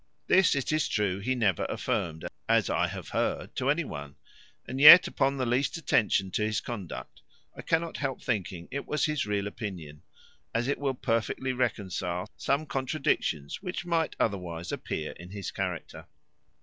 This, it is true, he never affirmed, as I have heard, to any one; and yet upon the least attention to his conduct, I cannot help thinking it was his real opinion, as it will perfectly reconcile some contradictions which might otherwise appear in his character.